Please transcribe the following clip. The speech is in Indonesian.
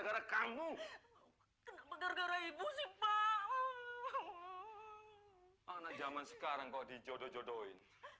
yanuar yang membawa kiki pergi